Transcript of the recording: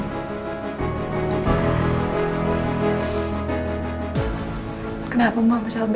setelah pasa gibi